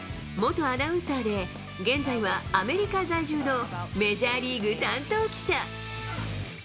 元アナウンサーで、現在はアメリカ在住のメジャーリーグ担当記者。